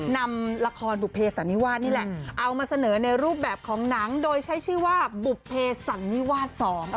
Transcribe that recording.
นำละครบุเภสันนิวาสนี่แหละเอามาเสนอในรูปแบบของหนังโดยใช้ชื่อว่าบุภเพสันนิวาส๒